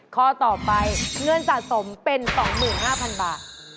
ข้อต่อไปเงินสะสมเป็น๒๕๐๐๐บาท